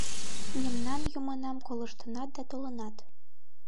Мемнан юмынам колыштынат да толынат.